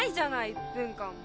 １分間も。